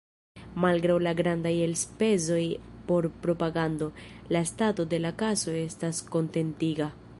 Malgraŭ la grandaj elspezoj por propagando, la stato de la kaso estas kontentiga.